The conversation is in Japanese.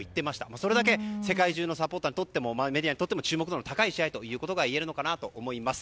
それだけ世界中のサポーターやメディアにとっても注目度の高い試合と言えると思います。